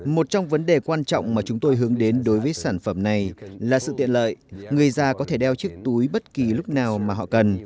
một trong vấn đề quan trọng mà chúng tôi hướng đến đối với sản phẩm này là sự tiện lợi người già có thể đeo chiếc túi bất kỳ lúc nào mà họ cần